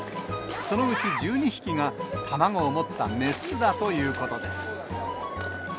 そのうち１２匹が卵を持った雌だということです。